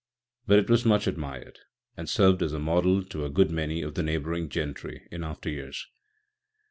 But it was much admired, and served as a model to a good many of the neighbouring gentry in after years.